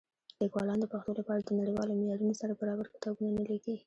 لیکوالان د پښتو لپاره د نړیوالو معیارونو سره برابر کتابونه نه لیکي.